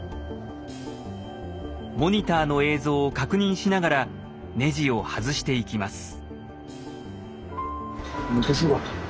モニターの映像を確認しながらネジを外していきます。